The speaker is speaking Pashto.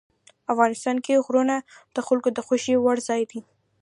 افغانستان کې غرونه د خلکو د خوښې وړ ځای دی.